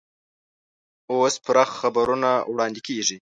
اوس پوره خبرونه واړندې کېږي.